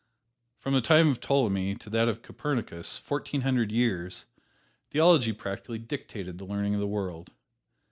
From the time of Ptolemy to that of Copernicus fourteen hundred years theology practically dictated the learning of the world.